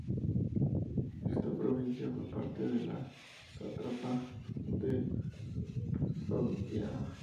Esta provincia fue parte de la sátrapa de Sogdiana.